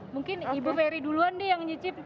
mungkin ibu ferry duluan nih yang nyicip